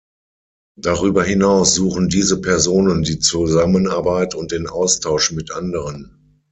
Darüber hinaus suchen diese Personen die Zusammenarbeit und den Austausch mit anderen.